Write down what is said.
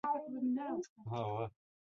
خوځښت پر یوه ستر اېتلاف بدل کړي.